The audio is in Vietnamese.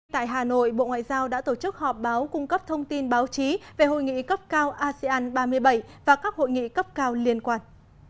tại hà nội bộ ngoại giao đã tổ chức họp báo cung cấp thông tin báo chí về hội nghị cấp cao asean ba mươi bảy và các hội nghị cấp cao liên quan